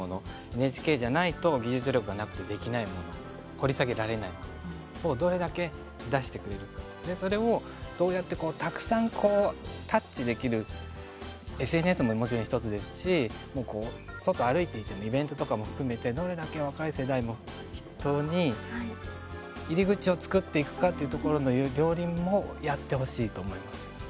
ＮＨＫじゃないと技術力がなくてできないもの掘り下げられないものをどれだけ出してくれるそれをどうやってたくさんタッチできるＳＮＳも、もちろん１つですし外を歩いていてもイベントとかも含めてどれだけ若い世代の人に入り口を作っていくかというところの両輪もやってほしいと思います。